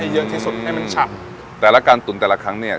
เยอะที่สุดให้มันฉับแต่ละการตุ๋นแต่ละครั้งเนี้ย